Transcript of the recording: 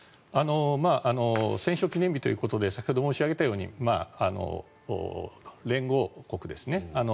戦勝記念日ということで先ほど申し上げたように連合国ですね。